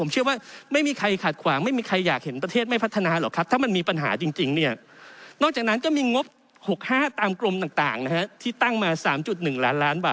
ผมเชื่อว่าไม่มีใครขาดความไม่มีใครอยากเห็นประเทศไม่พัฒนาหรอกครับ